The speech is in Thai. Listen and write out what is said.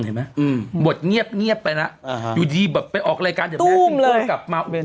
หมดเงียบไปนะอยู่ดีแบบไปออกรายการเดี๋ยวแม้ตู้มเลย